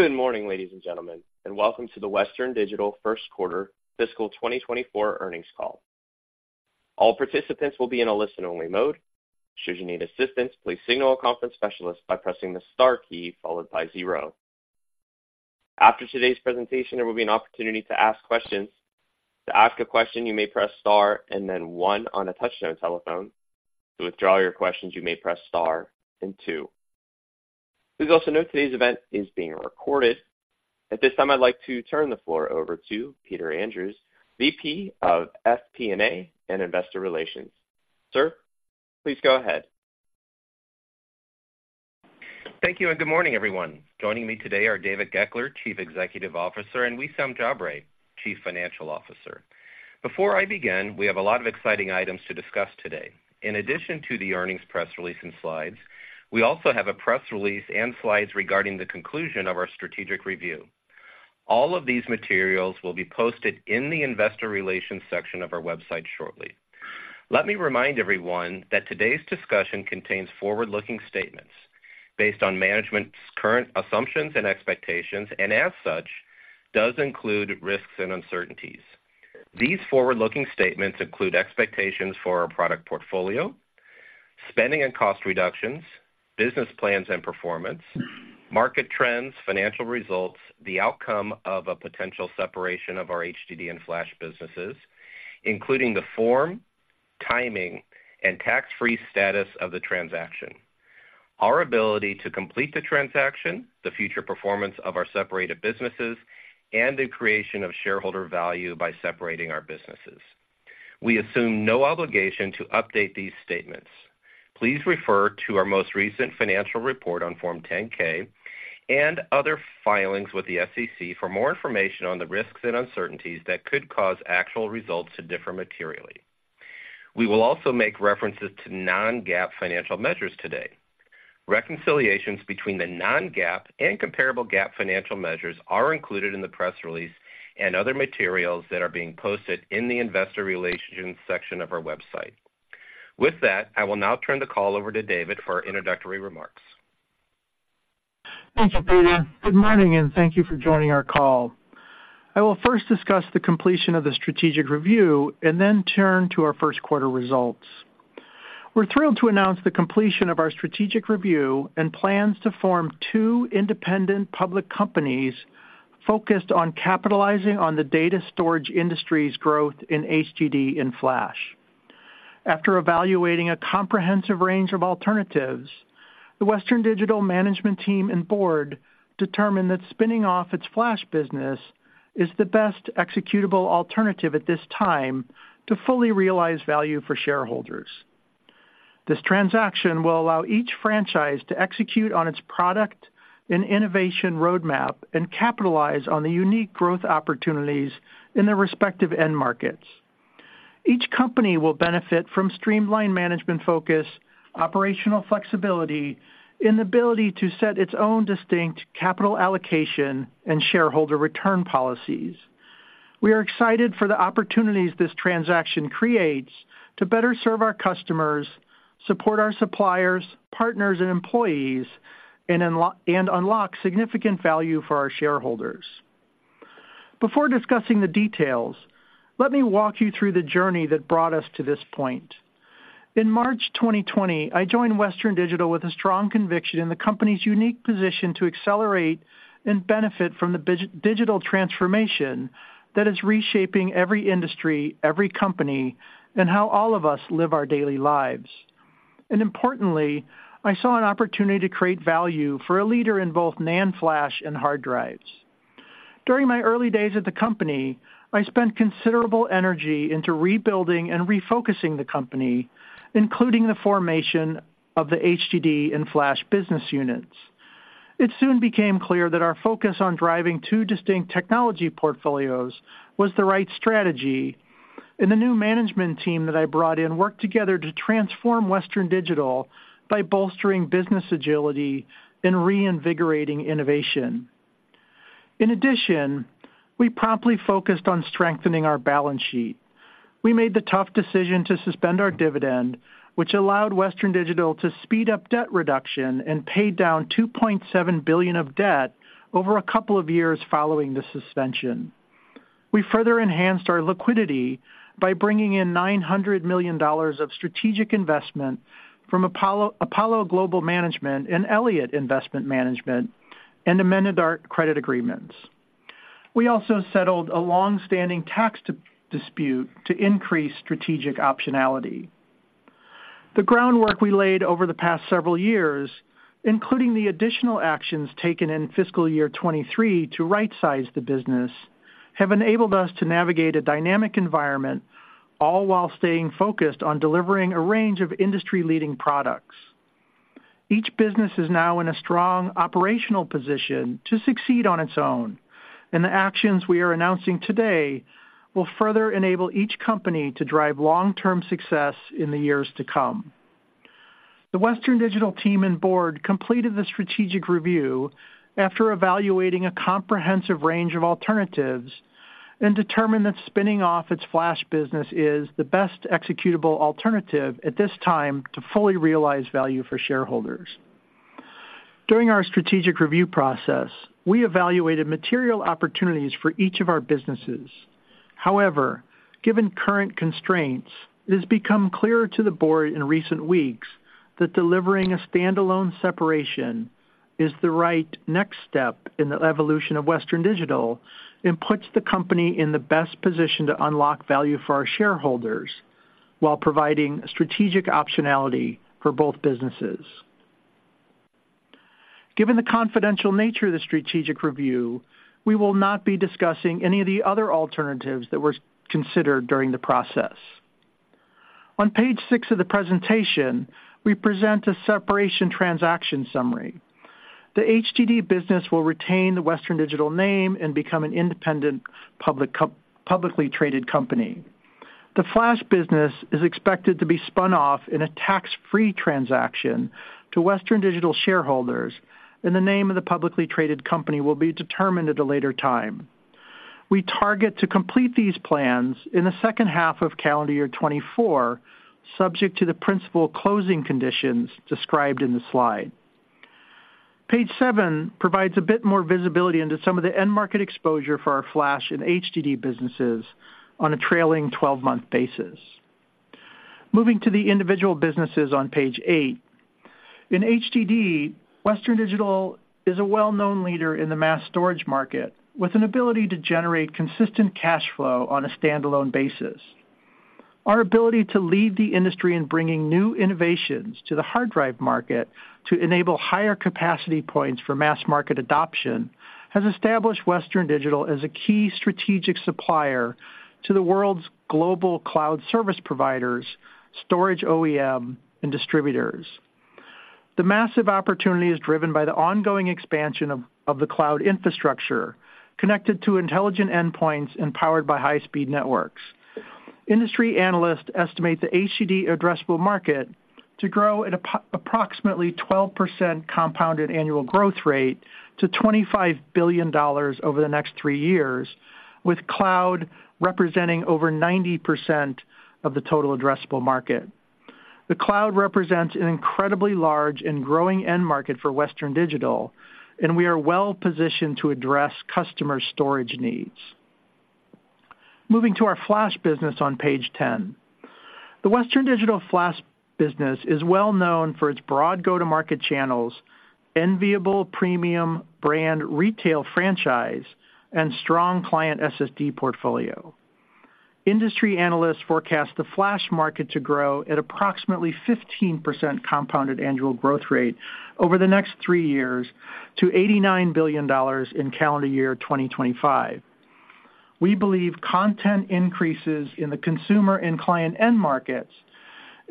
Good morning, ladies and gentlemen, and welcome to the Western Digital First Quarter Fiscal 2024 Earnings Call. All participants will be in a listen-only mode. Should you need assistance, please signal a conference specialist by pressing the star key followed by zero. After today's presentation, there will be an opportunity to ask questions. To ask a question, you may press star and then one on a touch-tone telephone. To withdraw your questions, you may press star and two. Please also note today's event is being recorded. At this time, I'd like to turn the floor over to Peter Andrew, VP of FP&A and Investor Relations. Sir, please go ahead. Thank you, and good morning, everyone. Joining me today are David Goeckeler, Chief Executive Officer, and Wissam Jabre, Chief Financial Officer. Before I begin, we have a lot of exciting items to discuss today. In addition to the earnings press release and slides, we also have a press release and slides regarding the conclusion of our strategic review. All of these materials will be posted in the investor relations section of our website shortly. Let me remind everyone that today's discussion contains forward-looking statements based on management's current assumptions and expectations, and as such, does include risks and uncertainties. These forward-looking statements include expectations for our product portfolio, spending and cost reductions, business plans and performance, market trends, financial results, the outcome of a potential separation of our HDD and Flash businesses, including the form, timing, and tax-free status of the transaction, our ability to complete the transaction, the future performance of our separated businesses, and the creation of shareholder value by separating our businesses. We assume no obligation to update these statements. Please refer to our most recent financial report on Form 10-K and other filings with the SEC for more information on the risks and uncertainties that could cause actual results to differ materially. We will also make references to non-GAAP financial measures today. Reconciliations between the non-GAAP and comparable GAAP financial measures are included in the press release and other materials that are being posted in the investor relations section of our website. With that, I will now turn the call over to David for introductory remarks. Thank you, Peter. Good morning, and thank you for joining our call. I will first discuss the completion of the strategic review and then turn to our first quarter results. We're thrilled to announce the completion of our strategic review and plans to form two independent public companies focused on capitalizing on the data storage industry's growth in HDD and Flash. After evaluating a comprehensive range of alternatives, the Western Digital management team and board determined that spinning off its Flash business is the best executable alternative at this time to fully realize value for shareholders. This transaction will allow each franchise to execute on its product and innovation roadmap and capitalize on the unique growth opportunities in their respective end markets. Each company will benefit from streamlined management focus, operational flexibility, and the ability to set its own distinct capital allocation and shareholder return policies. We are excited for the opportunities this transaction creates to better serve our customers, support our suppliers, partners, and employees, and unlock significant value for our shareholders. Before discussing the details, let me walk you through the journey that brought us to this point. In March 2020, I joined Western Digital with a strong conviction in the company's unique position to accelerate and benefit from the digital transformation that is reshaping every industry, every company, and how all of us live our daily lives. And importantly, I saw an opportunity to create value for a leader in both NAND Flash and hard drives. During my early days at the company, I spent considerable energy into rebuilding and refocusing the company, including the formation of the HDD and Flash business units. It soon became clear that our focus on driving two distinct technology portfolios was the right strategy, and the new management team that I brought in worked together to transform Western Digital by bolstering business agility and reinvigorating innovation. In addition, we promptly focused on strengthening our balance sheet. We made the tough decision to suspend our dividend, which allowed Western Digital to speed up debt reduction and pay down $2.7 billion of debt over a couple of years following the suspension. We further enhanced our liquidity by bringing in $900 million of strategic investment from Apollo Global Management and Elliott Investment Management, and amended our credit agreements. We also settled a long-standing tax dispute to increase strategic optionality. The groundwork we laid over the past several years, including the additional actions taken in fiscal year 2023 to rightsize the business, have enabled us to navigate a dynamic environment, all while staying focused on delivering a range of industry-leading products. Each business is now in a strong operational position to succeed on its own, and the actions we are announcing today will further enable each company to drive long-term success in the years to come. The Western Digital team and board completed the strategic review after evaluating a comprehensive range of alternatives and determined that spinning off its flash business is the best executable alternative at this time to fully realize value for shareholders. During our strategic review process, we evaluated material opportunities for each of our businesses. However, given current constraints, it has become clear to the board in recent weeks that delivering a standalone separation is the right next step in the evolution of Western Digital, and puts the company in the best position to unlock value for our shareholders, while providing strategic optionality for both businesses. Given the confidential nature of the strategic review, we will not be discussing any of the other alternatives that were considered during the process. On page six of the presentation, we present a separation transaction summary. The HDD business will retain the Western Digital name and become an independent publicly traded company. The flash business is expected to be spun off in a tax-free transaction to Western Digital shareholders, and the name of the publicly traded company will be determined at a later time. We target to complete these plans in the second half of calendar year 2024, subject to the principal closing conditions described in the slide. Page seven provides a bit more visibility into some of the end market exposure for our flash and HDD businesses on a trailing 12-month basis. Moving to the individual businesses on page eight. In HDD, Western Digital is a well-known leader in the mass storage market, with an ability to generate consistent cash flow on a standalone basis. Our ability to lead the industry in bringing new innovations to the hard drive market to enable higher capacity points for mass market adoption, has established Western Digital as a key strategic supplier to the world's global cloud service providers, storage OEM, and distributors. The massive opportunity is driven by the ongoing expansion of the cloud infrastructure, connected to intelligent endpoints and powered by high-speed networks. Industry analysts estimate the HDD addressable market to grow at approximately 12% compounded annual growth rate to $25 billion over the next three years, with cloud representing over 90% of the total addressable market. The cloud represents an incredibly large and growing end market for Western Digital, and we are well positioned to address customer storage needs. Moving to our flash business on page 10. The Western Digital Flash business is well known for its broad go-to-market channels, enviable premium brand retail franchise, and strong client SSD portfolio. Industry analysts forecast the flash market to grow at approximately 15% compounded annual growth rate over the next three years to $89 billion in calendar year 2025. We believe content increases in the consumer and client end markets,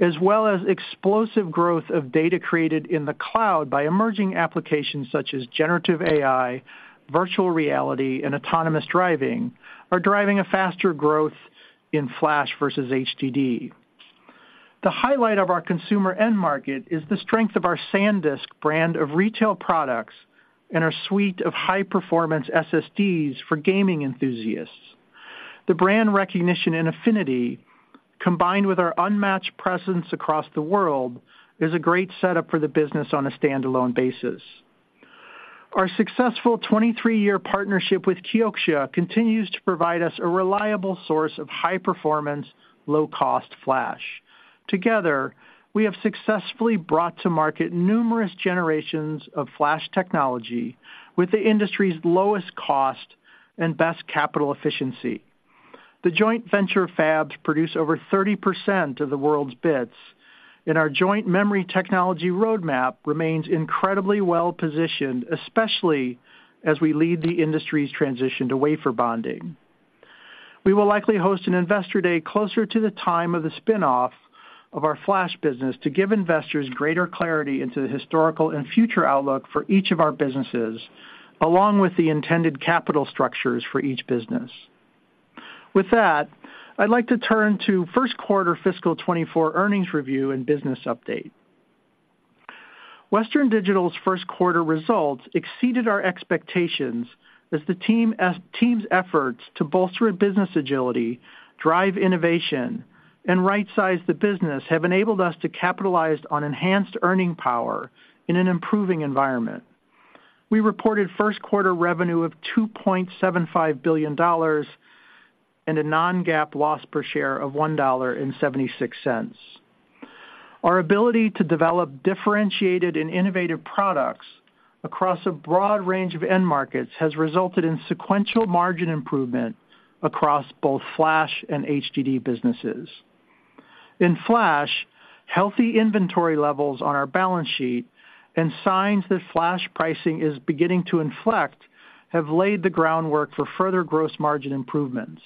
as well as explosive growth of data created in the cloud by emerging applications such as generative AI, virtual reality, and autonomous driving, are driving a faster growth in flash versus HDD. The highlight of our consumer end market is the strength of our SanDisk brand of retail products and our suite of high-performance SSDs for gaming enthusiasts. The brand recognition and affinity, combined with our unmatched presence across the world, is a great setup for the business on a standalone basis. Our successful 23-year partnership with KIOXIA continues to provide us a reliable source of high-performance, low-cost flash. Together, we have successfully brought to market numerous generations of flash technology with the industry's lowest cost and best capital efficiency. The joint venture fabs produce over 30% of the world's bits, and our joint memory technology roadmap remains incredibly well positioned, especially as we lead the industry's transition to wafer bonding. We will likely host an investor day closer to the time of the spin-off of our flash business to give investors greater clarity into the historical and future outlook for each of our businesses, along with the intended capital structures for each business. With that, I'd like to turn to first quarter fiscal 2024 earnings review and business update. Western Digital's first quarter results exceeded our expectations as the team's efforts to bolster business agility, drive innovation, and right size the business have enabled us to capitalize on enhanced earning power in an improving environment. We reported first quarter revenue of $2.75 billion and a non-GAAP loss per share of $1.76. Our ability to develop differentiated and innovative products across a broad range of end markets has resulted in sequential margin improvement across both flash and HDD businesses. In flash, healthy inventory levels on our balance sheet and signs that flash pricing is beginning to inflect, have laid the groundwork for further gross margin improvements.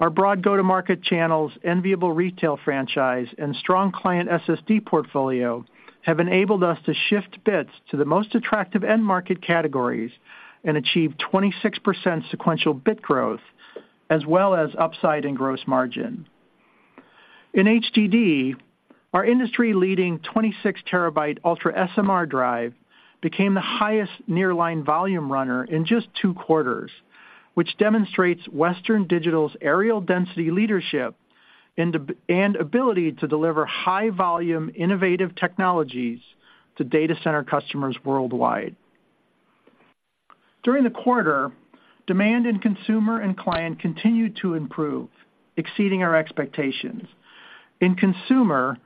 Our broad go-to-market channels, enviable retail franchise, and strong client SSD portfolio have enabled us to shift bits to the most attractive end market categories and achieve 26% sequential bit growth, as well as upside in gross margin. In HDD, our industry-leading 26 TB UltraSMR drive became the highest nearline volume runner in just two quarters, which demonstrates Western Digital's areal density leadership and ability to deliver high-volume, innovative technologies to data center customers worldwide. During the quarter, demand in consumer and client continued to improve, exceeding our expectations. In consumer,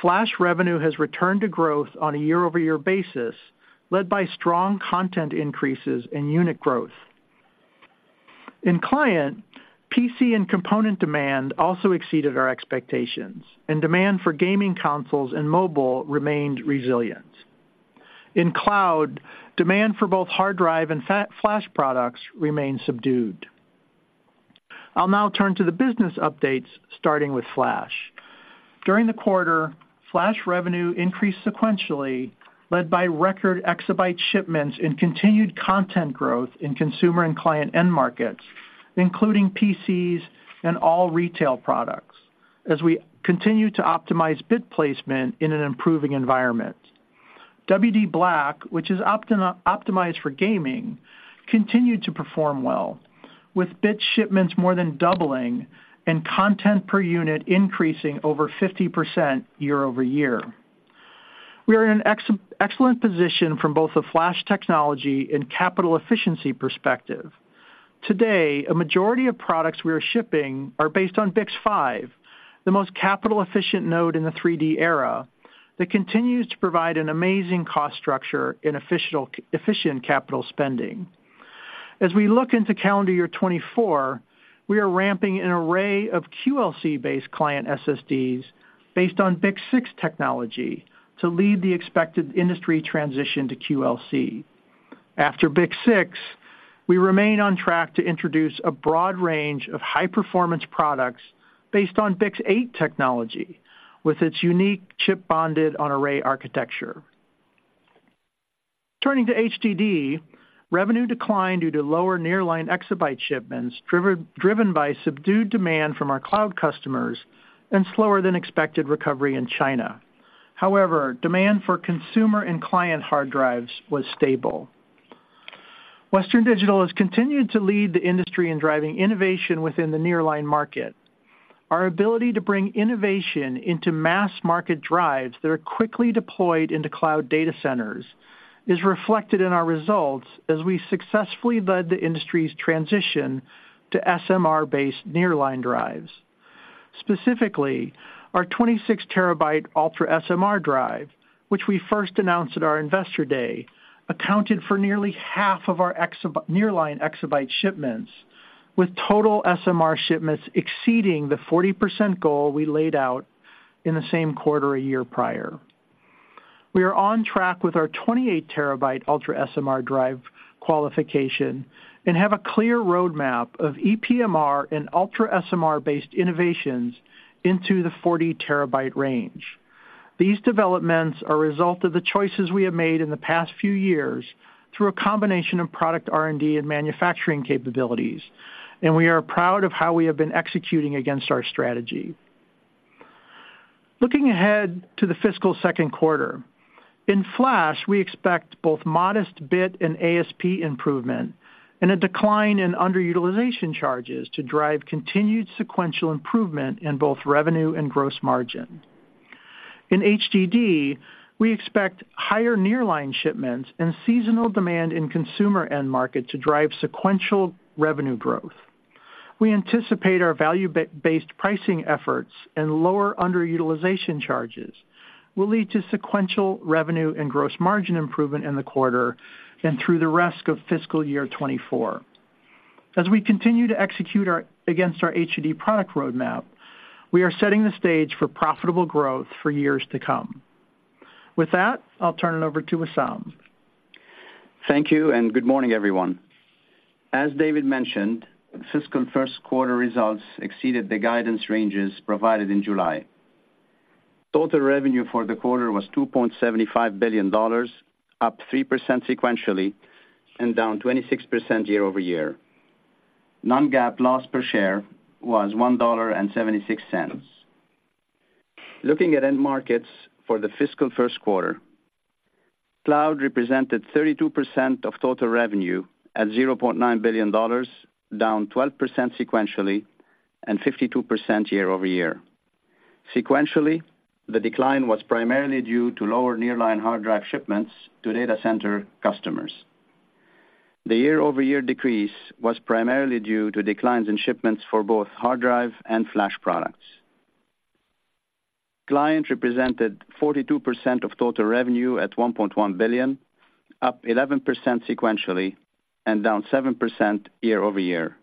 flash revenue has returned to growth on a year-over-year basis, led by strong content increases and unit growth. In client, PC and component demand also exceeded our expectations, and demand for gaming consoles and mobile remained resilient. In cloud, demand for both hard drive and flash products remained subdued. I'll now turn to the business updates, starting with flash. During the quarter, flash revenue increased sequentially, led by record exabyte shipments and continued content growth in consumer and client end markets, including PCs and all retail products, as we continue to optimize bit placement in an improving environment. WD Black, which is optimized for gaming, continued to perform well, with bit shipments more than doubling and content per unit increasing over 50% year-over-year. We are in an excellent position from both the flash technology and capital efficiency perspective. Today, a majority of products we are shipping are based on BiCS5, the most capital-efficient node in the 3D era, that continues to provide an amazing cost structure and efficient capital spending. As we look into calendar year 2024, we are ramping an array of QLC-based client SSDs based on BiCS6 technology to lead the expected industry transition to QLC. After BiCS6, we remain on track to introduce a broad range of high-performance products based on BiCS8 technology, with its unique chip bonded on array architecture. Turning to HDD, revenue declined due to lower nearline exabyte shipments, driven by subdued demand from our cloud customers and slower than expected recovery in China. However, demand for consumer and client hard drives was stable. Western Digital has continued to lead the industry in driving innovation within the nearline market. Our ability to bring innovation into mass market drives that are quickly deployed into cloud data centers is reflected in our results as we successfully led the industry's transition to SMR-based nearline drives. Specifically, our 26 TB UltraSMR drive, which we first announced at our Investor Day, accounted for nearly half of our nearline exabyte shipments, with total SMR shipments exceeding the 40% goal we laid out in the same quarter a year prior. We are on track with our 28 TB UltraSMR drive qualification and have a clear roadmap of ePMR and UltraSMR-based innovations into the 40 TB range. These developments are a result of the choices we have made in the past few years through a combination of product R&D and manufacturing capabilities, and we are proud of how we have been executing against our strategy. Looking ahead to the fiscal second quarter, in flash, we expect both modest bit and ASP improvement and a decline in underutilization charges to drive continued sequential improvement in both revenue and gross margin. In HDD, we expect higher nearline shipments and seasonal demand in consumer end market to drive sequential revenue growth. We anticipate our value-based pricing efforts and lower underutilization charges will lead to sequential revenue and gross margin improvement in the quarter and through the rest of fiscal year 2024. As we continue to execute against our HDD product roadmap, we are setting the stage for profitable growth for years to come. With that, I'll turn it over to Wissam. Thank you, and good morning, everyone. As David mentioned, the fiscal first quarter results exceeded the guidance ranges provided in July. Total revenue for the quarter was $2.75 billion, up 3% sequentially and down 26% year-over-year. Non-GAAP loss per share was $1.76. Looking at end markets for the fiscal first quarter, cloud represented 32% of total revenue at $0.9 billion, down 12% sequentially and 52% year-over-year. Sequentially, the decline was primarily due to lower nearline hard drive shipments to data center customers. The year-over-year decrease was primarily due to declines in shipments for both hard drive and flash products. Client represented 42% of total revenue at $1.1 billion, up 11% sequentially and down 7% year-over-year.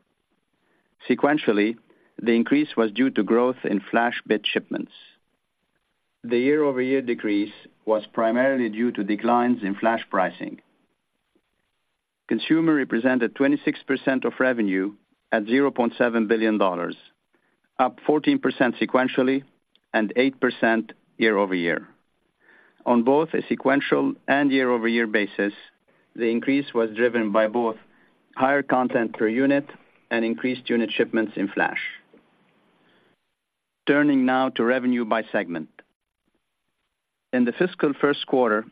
Sequentially, the increase was due to growth in flash bit shipments. The year-over-year decrease was primarily due to declines in flash pricing. Consumer represented 26% of revenue at $0.7 billion, up 14% sequentially and 8% year-over-year. On both a sequential and year-over-year basis, the increase was driven by both higher content per unit and increased unit shipments in flash. Turning now to revenue by segment. In the fiscal first quarter,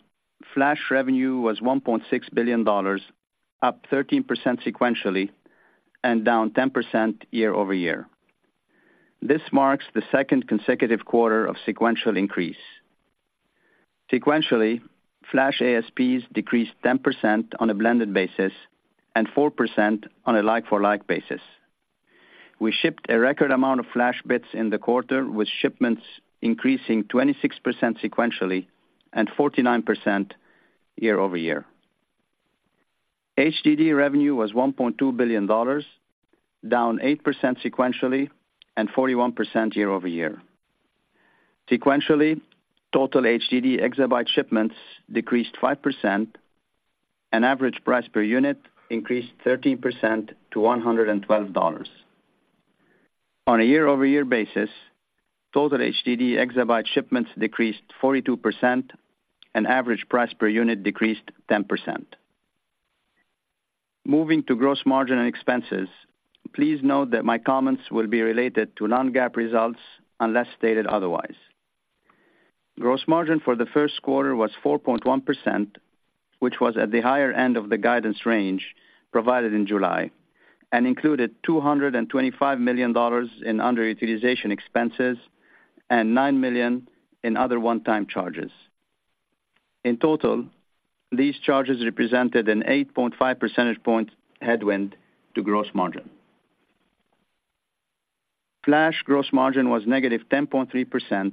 flash revenue was $1.6 billion, up 13% sequentially and down 10% year-over-year. This marks the second consecutive quarter of sequential increase. Sequentially, flash ASPs decreased 10% on a blended basis and 4% on a like-for-like basis. We shipped a record amount of flash bits in the quarter, with shipments increasing 26% sequentially and 49% year-over-year. HDD revenue was $1.2 billion, down 8% sequentially and 41% year-over-year. Sequentially, total HDD exabyte shipments decreased 5%, and average price per unit increased 13% to $112. On a year-over-year basis, total HDD exabyte shipments decreased 42%, and average price per unit decreased 10%. Moving to gross margin and expenses, please note that my comments will be related to non-GAAP results unless stated otherwise. Gross margin for the first quarter was 4.1%, which was at the higher end of the guidance range provided in July and included $225 million in underutilization expenses and $9 million in other one-time charges. In total, these charges represented an 8.5 percentage point headwind to gross margin. Flash gross margin was negative 10.3%.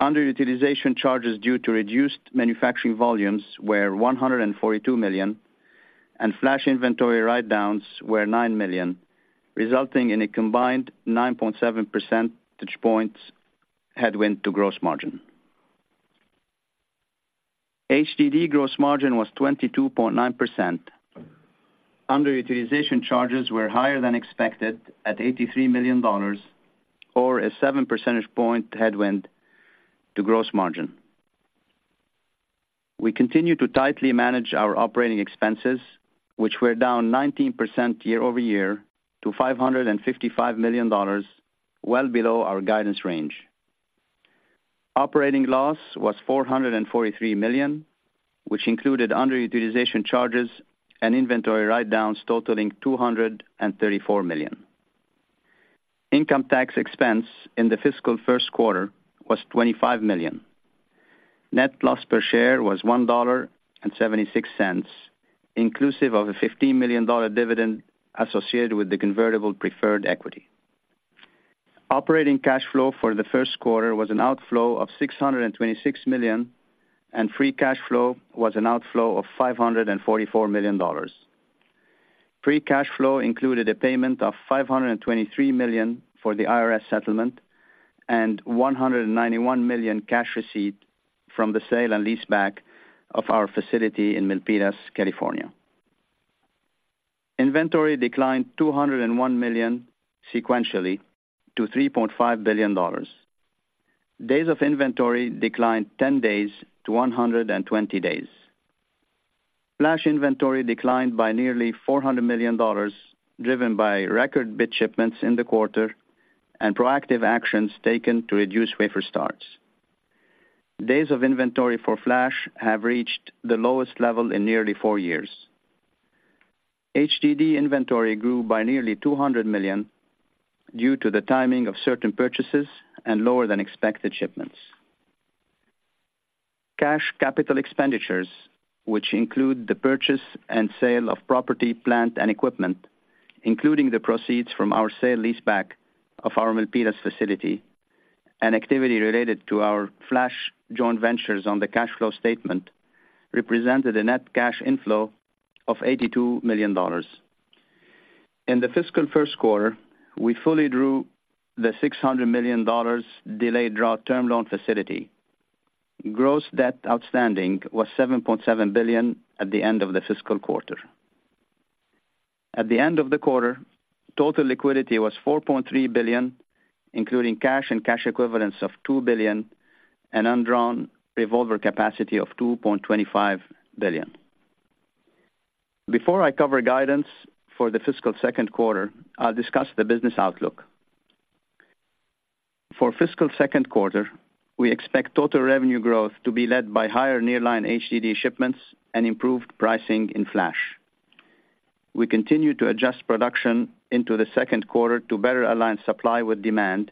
Underutilization charges due to reduced manufacturing volumes were $142 million, and flash inventory write-downs were $9 million, resulting in a combined 9.7 percentage points headwind to gross margin. HDD gross margin was 22.9%. Underutilization charges were higher than expected at $83 million, or a seven percentage point headwind to gross margin. We continue to tightly manage our operating expenses, which were down 19% year-over-year to $555 million, well below our guidance range. Operating loss was $443 million, which included underutilization charges and inventory write-downs totaling $234 million. Income tax expense in the fiscal first quarter was $25 million. Net loss per share was $1.76, inclusive of a $15 million dividend associated with the convertible preferred equity. Operating cash flow for the first quarter was an outflow of $626 million, and free cash flow was an outflow of $544 million. Free cash flow included a payment of $523 million for the IRS settlement and $191 million cash receipt from the sale and leaseback of our facility in Milpitas, California. Inventory declined $201 million sequentially to $3.5 billion. Days of inventory declined 10 days to 120 days. Flash inventory declined by nearly $400 million, driven by record bit shipments in the quarter and proactive actions taken to reduce wafer starts. Days of inventory for flash have reached the lowest level in nearly four years. HDD inventory grew by nearly $200 million due to the timing of certain purchases and lower-than-expected shipments. Cash capital expenditures, which include the purchase and sale of property, plant, and equipment, including the proceeds from our sale-leaseback of our Milpitas facility and activity related to our flash joint ventures on the cash flow statement, represented a net cash inflow of $82 million. In the fiscal first quarter, we fully drew the $600 million delayed draw term loan facility. Gross debt outstanding was $7.7 billion at the end of the fiscal quarter. At the end of the quarter, total liquidity was $4.3 billion, including cash and cash equivalents of $2 billion and undrawn revolver capacity of $2.25 billion. Before I cover guidance for the fiscal second quarter, I'll discuss the business outlook. For fiscal second quarter, we expect total revenue growth to be led by higher Nearline HDD shipments and improved pricing in flash. We continue to adjust production into the second quarter to better align supply with demand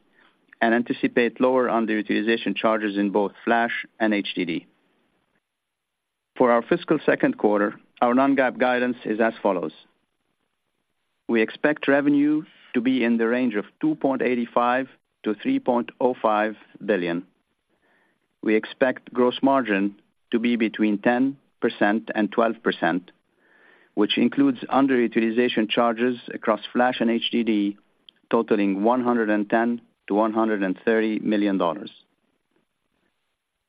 and anticipate lower underutilization charges in both flash and HDD. For our fiscal second quarter, our non-GAAP guidance is as follows: We expect revenue to be in the range of $2.85 billion-$3.05 billion. We expect gross margin to be between 10%-12%, which includes underutilization charges across flash and HDD, totaling $110 million-$130 million.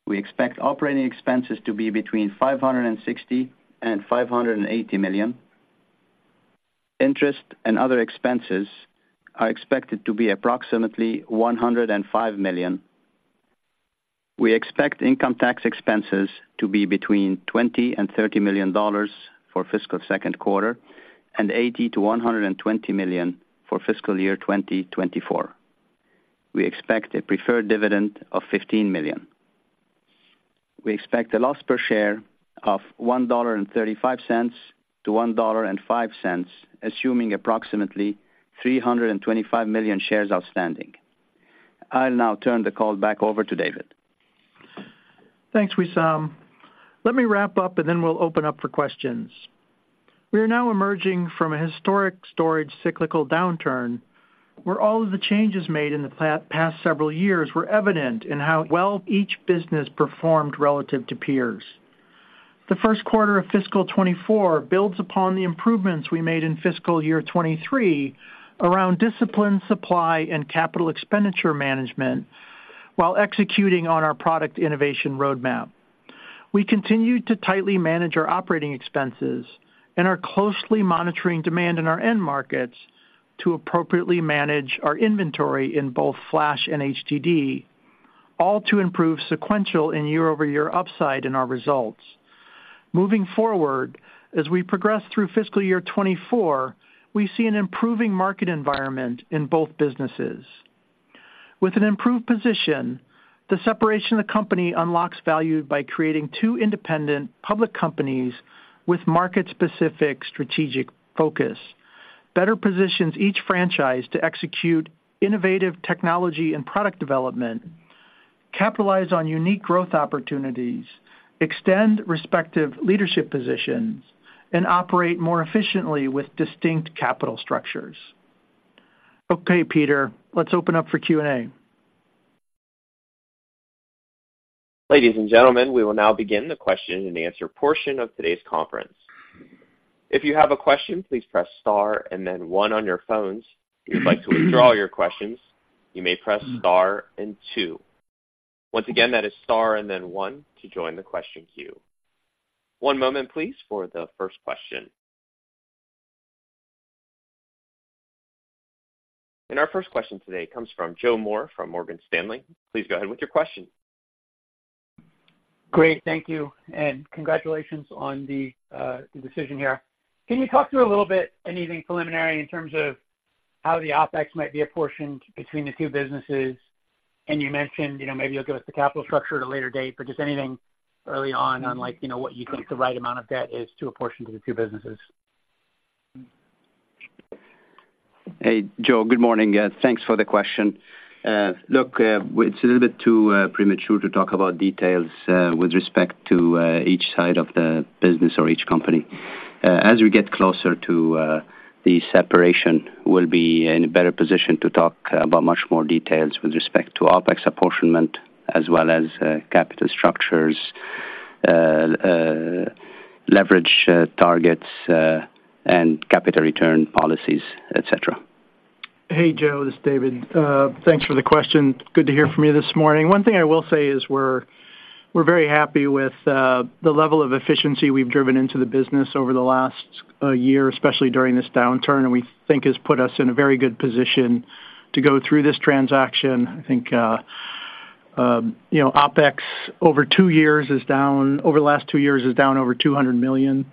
We expect operating expenses to be between $560 million-$580 million. Interest and other expenses are expected to be approximately $105 million. We expect income tax expenses to be between $20 million and $30 million for fiscal second quarter, and $80 million-$120 million for fiscal year 2024. We expect a preferred dividend of $15 million. We expect a loss per share of -$1.35 to -$1.05, assuming approximately 325 million shares outstanding. I'll now turn the call back over to David. Thanks, Wissam. Let me wrap up, and then we'll open up for questions. We are now emerging from a historic storage cyclical downturn, where all of the changes made in the past several years were evident in how well each business performed relative to peers. The first quarter of fiscal 2024 builds upon the improvements we made in fiscal year 2023 around discipline, supply, and capital expenditure management, while executing on our product innovation roadmap. We continued to tightly manage our operating expenses and are closely monitoring demand in our end markets to appropriately manage our inventory in both flash and HDD, all to improve sequential and year-over-year upside in our results. Moving forward, as we progress through fiscal year 2024, we see an improving market environment in both businesses. With an improved position, the separation of the company unlocks value by creating two independent public companies with market-specific strategic focus, better positions each franchise to execute innovative technology and product development, capitalize on unique growth opportunities, extend respective leadership positions, and operate more efficiently with distinct capital structures. Okay, Peter, let's open up for Q&A. Ladies and gentlemen, we will now begin the question-and-answer portion of today's conference. If you have a question, please press star and then one on your phones. If you'd like to withdraw your questions, you may press star and two. Once again, that is star and then one to join the question queue. One moment please for the first question. Our first question today comes from Joe Moore from Morgan Stanley. Please go ahead with your question. Great, thank you, and congratulations on the decision here. Can you talk through a little bit, anything preliminary in terms of how the OpEx might be apportioned between the two businesses? And you mentioned, you know, maybe you'll give us the capital structure at a later date, but just anything early on, on like, you know, what you think the right amount of debt is to apportion to the two businesses. Hey, Joe, good morning. Thanks for the question. Look, it's a little bit too premature to talk about details with respect to each side of the business or each company. As we get closer to the separation, we'll be in a better position to talk about much more details with respect to OpEx apportionment as well as capital structures, leverage targets, and capital return policies, et cetera. Hey, Joe, this is David. Thanks for the question. Good to hear from you this morning. One thing I will say is we're very happy with the level of efficiency we've driven into the business over the last year, especially during this downturn, and we think has put us in a very good position to go through this transaction. I think, you know, OpEx over two years is down-- over the last two years, is down over $200 million.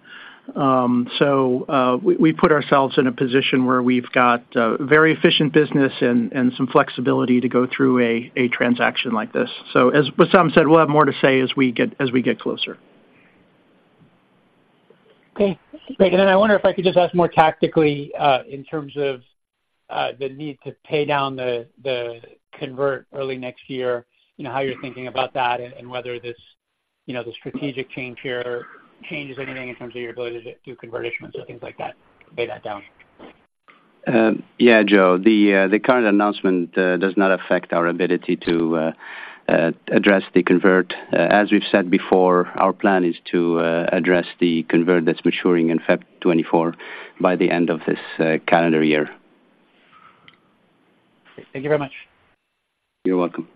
So, we put ourselves in a position where we've got very efficient business and some flexibility to go through a transaction like this. So as Wissam said, we'll have more to say as we get closer. Okay, great. And then I wonder if I could just ask more tactically, in terms of the need to pay down the convert early next year, you know, how you're thinking about that and whether this, you know, the strategic change here changes anything in terms of your ability to do convert issuance or things like that, pay that down? Yeah, Joe, the current announcement does not affect our ability to address the convert. As we've said before, our plan is to address the convert that's maturing in February 2024, by the end of this calendar year. Thank you very much. You're welcome.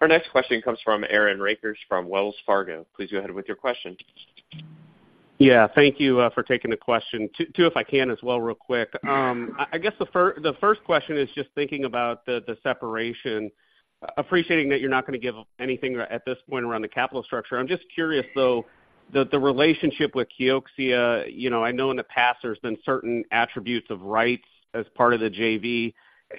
Our next question comes from Aaron Rakers from Wells Fargo. Please go ahead with your question. Yeah, thank you for taking the question. Two, if I can as well, real quick. I guess the first question is just thinking about the separation. Appreciating that you're not going to give anything at this point around the capital structure, I'm just curious, though, the relationship with KIOXIA, you know, I know in the past there's been certain attributes of rights as part of the JV.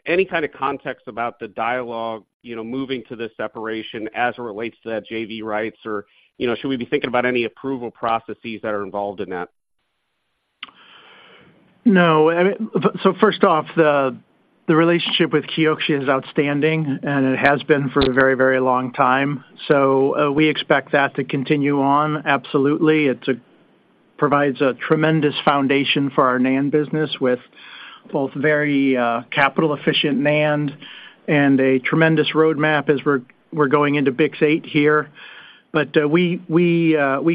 Any kind of context about the dialogue, you know, moving to this separation as it relates to that JV rights? Or, you know, should we be thinking about any approval processes that are involved in that? No, I mean. So first off, the relationship with KIOXIA is outstanding, and it has been for a very, very long time. So, we expect that to continue on. Absolutely. It provides a tremendous foundation for our NAND business with both very capital efficient NAND and a tremendous roadmap as we're going into BiCS8 here. But, we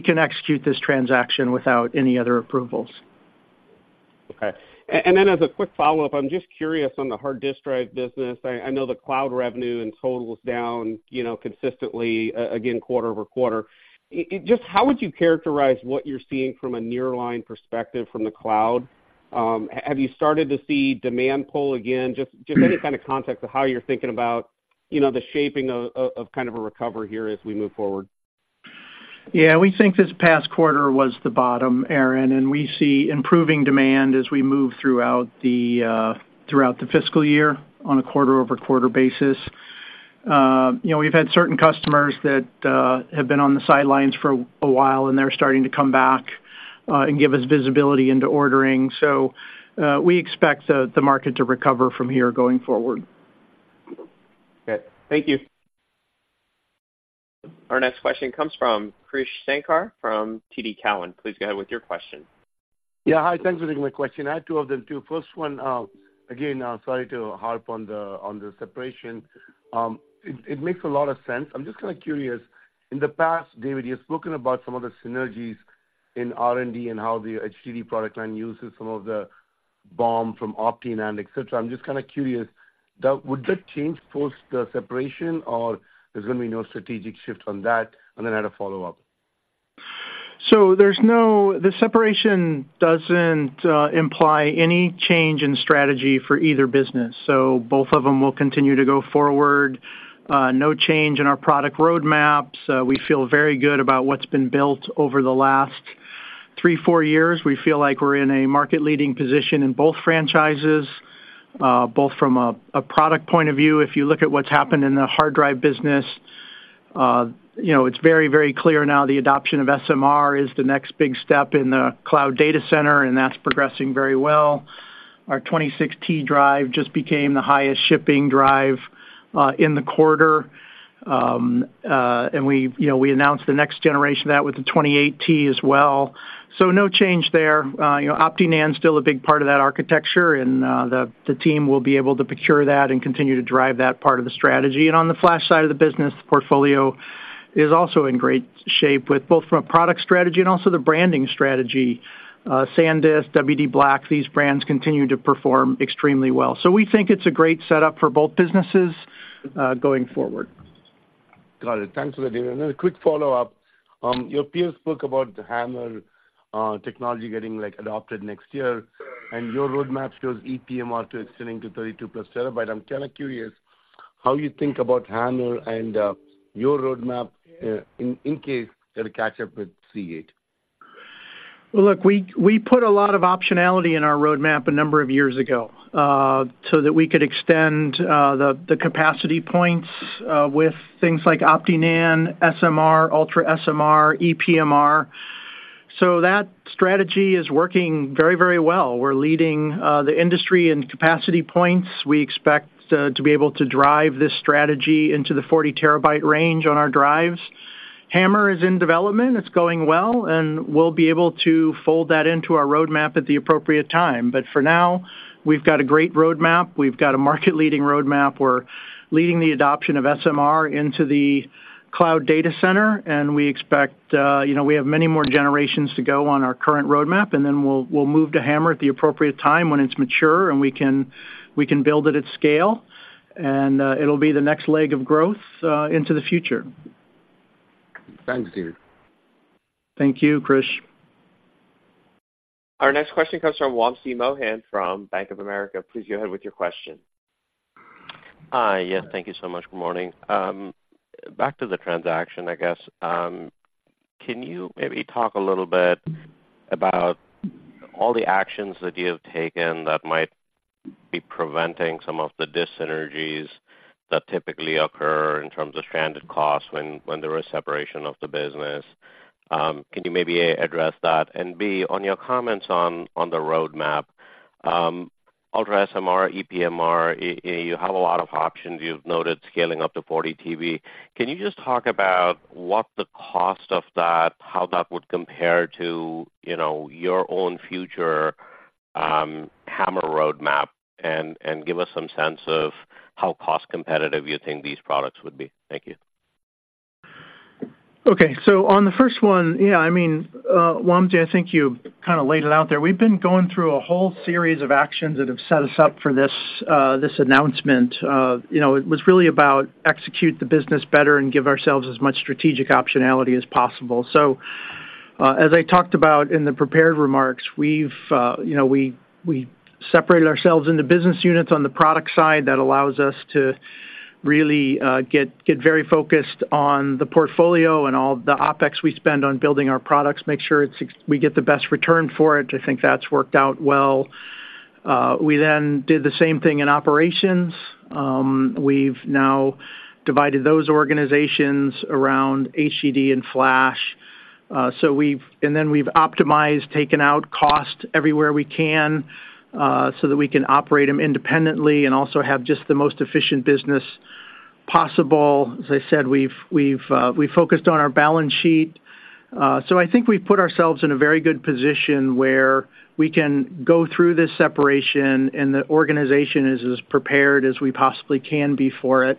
can execute this transaction without any other approvals. Okay. And then as a quick follow-up, I'm just curious on the hard disk drive business. I know the cloud revenue in total is down, you know, consistently, again, quarter-over-quarter. Just how would you characterize what you're seeing from a nearline perspective from the cloud? Have you started to see demand pull again? Just any kind of context of how you're thinking about, you know, the shaping of kind of a recovery here as we move forward. Yeah, we think this past quarter was the bottom, Aaron, and we see improving demand as we move throughout the fiscal year on a quarter-over-quarter basis. You know, we've had certain customers that have been on the sidelines for a while, and they're starting to come back and give us visibility into ordering. So, we expect the market to recover from here going forward. Okay. Thank you. Our next question comes from Krish Sankar from TD Cowen. Please go ahead with your question. Yeah, hi. Thanks for taking my question. I have two of them, too. First one, again, sorry to harp on the separation. It makes a lot of sense. I'm just kind of curious, in the past, David, you've spoken about some of the synergies in R&D and how the HDD product line uses some of the BOM from OptiNAND, et cetera. I'm just kind of curious, that would that change post the separation, or there's going to be no strategic shift on that? And then I had a follow-up. So the separation doesn't imply any change in strategy for either business, so both of them will continue to go forward. No change in our product roadmaps. We feel very good about what's been built over the last three, four years. We feel like we're in a market-leading position in both franchises, both from a product point of view. If you look at what's happened in the hard drive business, you know, it's very, very clear now the adoption of SMR is the next big step in the cloud data center, and that's progressing very well. Our 26 TB drive just became the highest-shipping drive in the quarter. And we, you know, we announced the next generation of that with the 28 TB as well. So no change there. You know, OptiNAND's still a big part of that architecture, and the team will be able to procure that and continue to drive that part of the strategy. And on the flash side of the business, the portfolio is also in great shape with both from a product strategy and also the branding strategy. SanDisk, WD Black, these brands continue to perform extremely well. So we think it's a great setup for both businesses, going forward. Got it. Thanks for that, David. And then a quick follow-up. Your peers spoke about the HAMR technology getting, like, adopted next year, and your roadmap shows ePMR to extending to 32+ TB. I'm kind of curious how you think about HAMR and your roadmap in case it'll catch up with Seagate? Well, look, we, we put a lot of optionality in our roadmap a number of years ago, so that we could extend the, the capacity points with things like OptiNAND, SMR, UltraSMR, ePMR. So that strategy is working very, very well. We're leading the industry in capacity points. We expect to be able to drive this strategy into the 40 TB range on our drives. HAMR is in development. It's going well, and we'll be able to fold that into our roadmap at the appropriate time. But for now, we've got a great roadmap. We've got a market-leading roadmap. We're leading the adoption of SMR into the cloud data center, and we expect, you know, we have many more generations to go on our current roadmap, and then we'll, we'll move to HAMR at the appropriate time when it's mature, and we can, we can build it at scale. And, it'll be the next leg of growth, into the future. Thanks, David. Thank you, Krish. Our next question comes from Wamsi Mohan from Bank of America. Please go ahead with your question. Hi. Yes, thank you so much. Good morning. Back to the transaction, I guess. Can you maybe talk a little bit about all the actions that you have taken that might be preventing some of the dyssynergies that typically occur in terms of stranded costs when there is separation of the business? Can you maybe, A, address that? And B, on your comments on the roadmap, UltraSMR, ePMR, you have a lot of options. You've noted scaling up to 40 TB. Can you just talk about what the cost of that, how that would compare to, you know, your own future, HAMR roadmap, and give us some sense of how cost-competitive you think these products would be? Thank you. Okay. So on the first one, yeah, I mean, Wamsi, I think you kind of laid it out there. We've been going through a whole series of actions that have set us up for this announcement. You know, it was really about execute the business better and give ourselves as much strategic optionality as possible. So, as I talked about in the prepared remarks, you know, we separated ourselves into business units on the product side. That allows us to really get very focused on the portfolio and all the OpEx we spend on building our products, make sure it's ex- we get the best return for it. I think that's worked out well. We then did the same thing in operations. We've now divided those organizations around HDD and Flash. So we've... Then we've optimized, taken out cost everywhere we can, so that we can operate them independently and also have just the most efficient business possible. As I said, we've focused on our balance sheet. So I think we've put ourselves in a very good position where we can go through this separation, and the organization is as prepared as we possibly can be for it.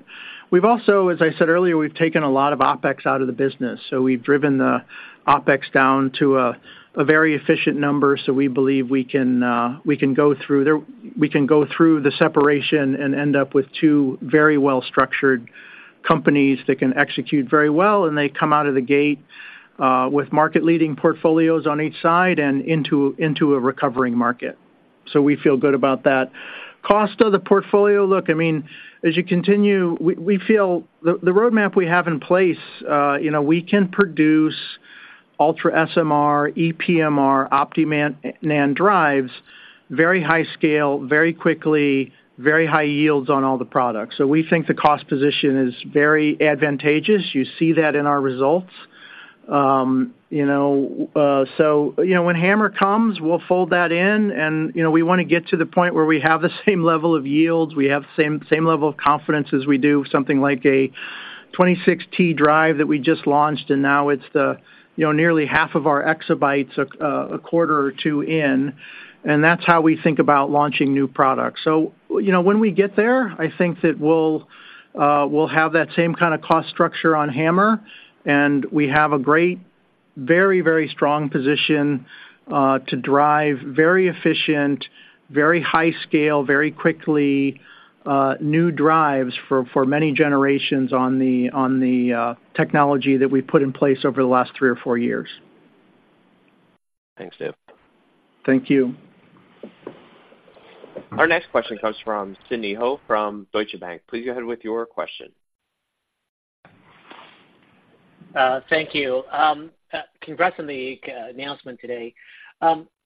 We've also, as I said earlier, we've taken a lot of OpEx out of the business, so we've driven the OpEx down to a very efficient number, so we believe we can go through the separation and end up with two very well-structured companies that can execute very well, and they come out of the gate with market-leading portfolios on each side and into a recovering market. So we feel good about that. Cost of the portfolio, look, I mean, as you continue, we feel the road map we have in place, you know, we can produce UltraSMR, ePMR, OptiNAND drives, very high scale, very quickly, very high yields on all the products. So we think the cost position is very advantageous. You see that in our results. You know, so, you know, when HAMR comes, we'll fold that in, and, you know, we want to get to the point where we have the same level of yields, we have the same level of confidence as we do something like a 26 TB drive that we just launched, and now it's, you know, nearly half of our exabytes, a quarter or two in, and that's how we think about launching new products. You know, when we get there, I think that we'll have that same kind of cost structure on HAMR, and we have a great, very, very strong position to drive very efficient, very high scale, very quickly new drives for many generations on the technology that we put in place over the last three or four years. Thanks, Dave. Thank you. Our next question comes from Sidney Ho from Deutsche Bank. Please go ahead with your question. Thank you. Congrats on the announcement today.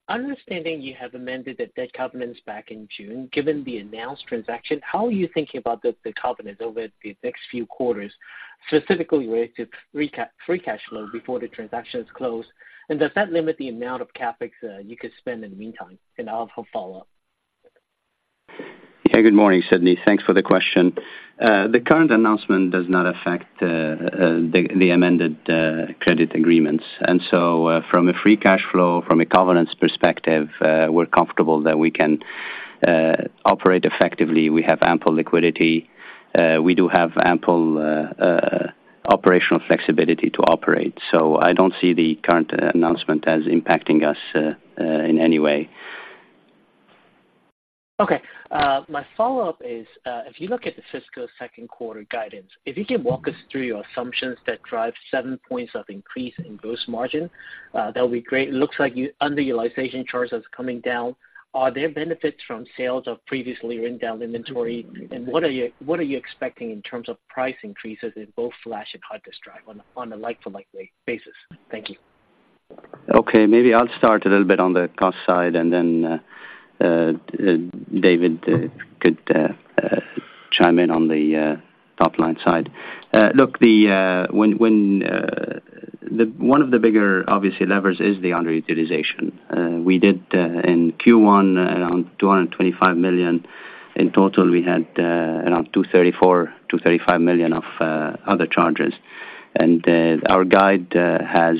Understanding you have amended the debt covenants back in June, given the announced transaction, how are you thinking about the covenants over the next few quarters, specifically related to free cash flow before the transaction is closed? And does that limit the amount of CapEx you could spend in the meantime? And I'll follow up. Yeah, good morning, Sidney. Thanks for the question. The current announcement does not affect the amended credit agreements. And so, from a free cash flow, from a governance perspective, we're comfortable that we can operate effectively. We have ample liquidity. We do have ample operational flexibility to operate. So I don't see the current announcement as impacting us in any way. Okay. My follow-up is, if you look at the fiscal second quarter guidance, if you can walk us through your assumptions that drive seven points of increase in gross margin, that would be great. It looks like underutilization charges coming down. Are there benefits from sales of previously written down inventory? And what are you expecting in terms of price increases in both flash and hard disk drive on a like-for-like basis? Thank you. Okay, maybe I'll start a little bit on the cost side, and then David could chime in on the top-line side. Look, one of the bigger, obviously, levers is the underutilization. We did in Q1 around $225 million. In total, we had around $234 million-$235 million of other charges. And our guide has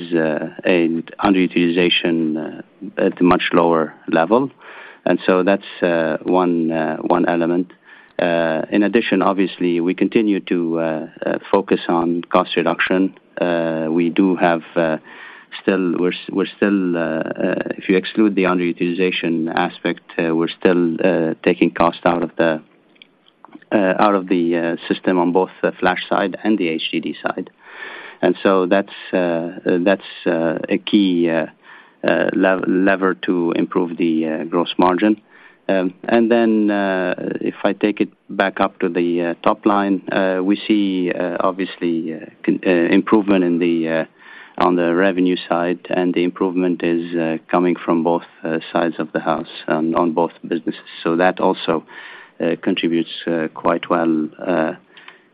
an underutilization at a much lower level, and so that's one element. In addition, obviously, we continue to focus on cost reduction. We do have still, we're, we're still, if you exclude the underutilization aspect, we're still taking cost out of the system on both the flash side and the HDD side. And so that's a key lever to improve the gross margin. And then, if I take it back up to the top line, we see obviously improvement in the on the revenue side, and the improvement is coming from both sides of the house, on both businesses. So that also contributes quite well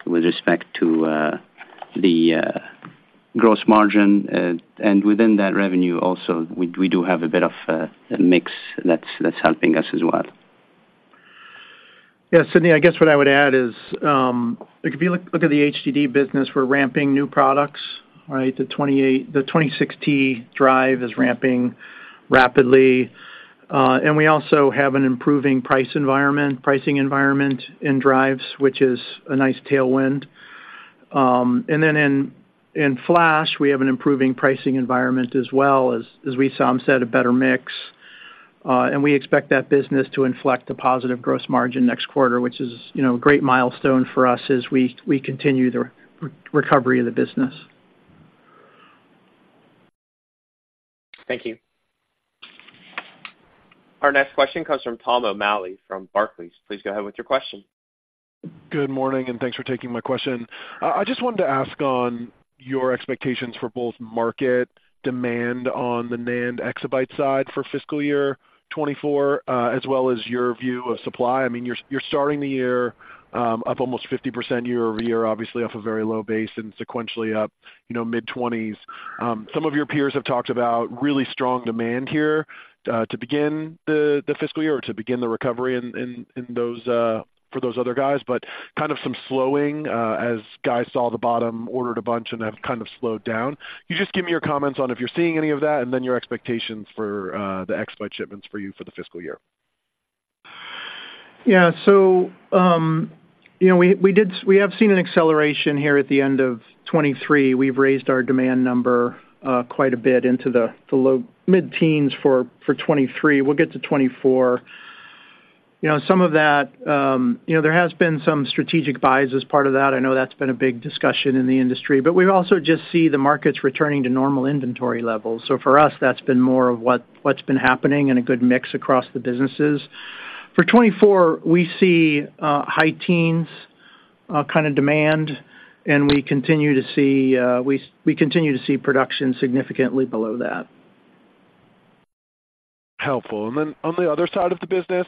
with respect to the gross margin. And within that revenue, also, we do have a bit of a mix that's helping us as well. Yeah, Sidney, I guess what I would add is, if you look at the HDD business, we're ramping new products, right? The 26 TB drive is ramping rapidly. And we also have an improving pricing environment in drives, which is a nice tailwind. And then in flash, we have an improving pricing environment as well, as Wissam said, a better mix. And we expect that business to inflect a positive gross margin next quarter, which is, you know, a great milestone for us as we continue the recovery of the business. Thank you. Our next question comes from Tom O'Malley, from Barclays. Please go ahead with your question. Good morning, and thanks for taking my question. I just wanted to ask on your expectations for both market demand on the NAND exabyte side for fiscal year 2024, as well as your view of supply. I mean, you're starting the year up almost 50% year-over-year, obviously off a very low base and sequentially up, you know, mid-20s. Some of your peers have talked about really strong demand here to begin the fiscal year or to begin the recovery in those for those other guys, but kind of some slowing as guys saw the bottom, ordered a bunch, and have kind of slowed down. Can you just give me your comments on if you're seeing any of that, and then your expectations for the exabyte shipments for you for the fiscal year? Yeah. So, you know, we have seen an acceleration here at the end of 2023. We've raised our demand number quite a bit into the low-mid teens for 2023. We'll get to 2024. You know, some of that, you know, there has been some strategic buys as part of that. I know that's been a big discussion in the industry, but we've also just see the markets returning to normal inventory levels. So for us, that's been more of what's been happening and a good mix across the businesses. For 2024, we see high teens kind of demand, and we continue to see production significantly below that. Helpful. Then on the other side of the business,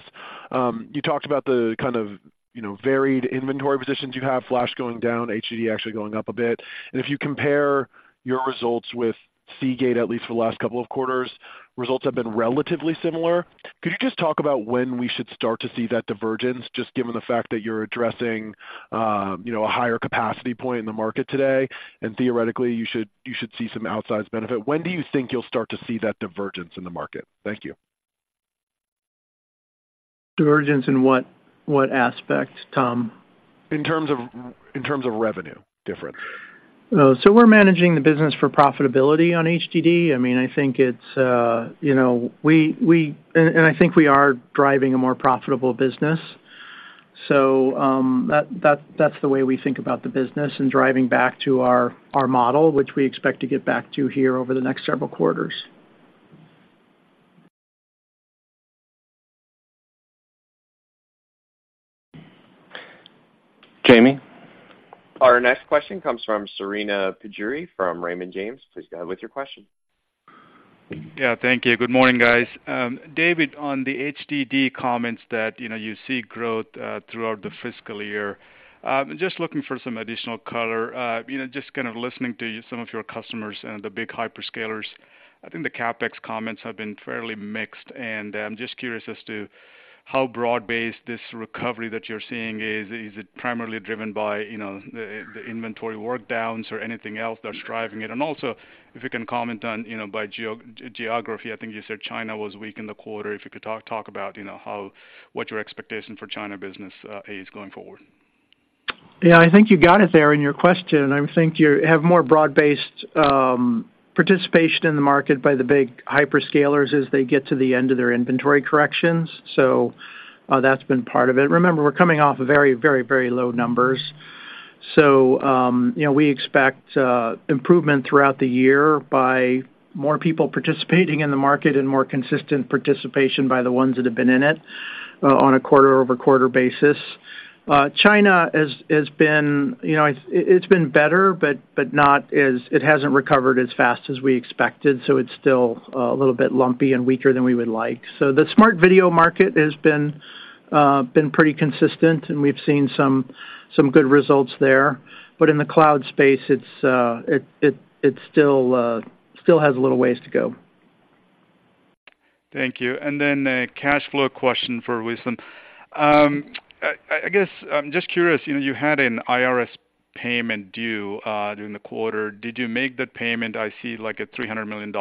you talked about the kind of, you know, varied inventory positions you have, flash going down, HDD actually going up a bit. If you compare your results with Seagate, at least for the last couple of quarters, results have been relatively similar. Could you just talk about when we should start to see that divergence, just given the fact that you're addressing, you know, a higher capacity point in the market today, and theoretically, you should, you should see some outsized benefit. When do you think you'll start to see that divergence in the market? Thank you. Divergence in what, what aspect, Tom? In terms of revenue difference. So we're managing the business for profitability on HDD. I mean, I think it's, you know, we and I think we are driving a more profitable business. So, that, that's the way we think about the business and driving back to our model, which we expect to get back to here over the next several quarters. Kami? Our next question comes from Srini Pajjuri from Raymond James. Please go ahead with your question. Yeah, thank you. Good morning, guys. David, on the HDD comments that, you know, you see growth throughout the fiscal year, just looking for some additional color. You know, just kind of listening to you, some of your customers and the big hyperscalers, I think the CapEx comments have been fairly mixed, and I'm just curious as to how broad-based this recovery that you're seeing is. Is it primarily driven by, you know, the inventory work downs or anything else that's driving it? And also, if you can comment on, you know, by geography. I think you said China was weak in the quarter. If you could talk about, you know, what your expectation for China business is going forward. Yeah, I think you got it there in your question. I think you have more broad-based participation in the market by the big hyperscalers as they get to the end of their inventory corrections. So, that's been part of it. Remember, we're coming off very, very, very low numbers. So, you know, we expect improvement throughout the year by more people participating in the market and more consistent participation by the ones that have been in it on a quarter-over-quarter basis. China has been, you know, it's been better, but not as... It hasn't recovered as fast as we expected, so it's still a little bit lumpy and weaker than we would like. So the smart video market has been pretty consistent, and we've seen some good results there. But in the cloud space, it still has a little ways to go. Thank you. And then a cash flow question for Wissam. I guess I'm just curious, you know, you had an IRS payment due during the quarter. Did you make that payment? I see, like, a $300 million